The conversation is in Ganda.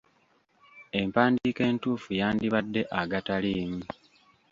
Empandiika entuufu yandibadde "agataliimu"